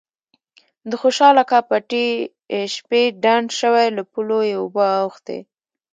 د خوشال اکا پټی شپې ډنډ شوی له پولو یې اوبه اوختي.